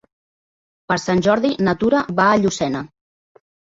Per Sant Jordi na Tura va a Llucena.